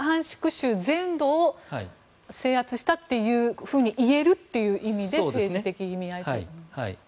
州全土を制圧したというふうに言えるっていう意味で政治的意味合いということですね。